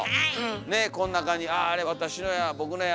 ねえこん中に「あああれ私のや」